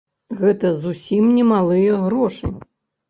Гэта зусім немалыя грошы.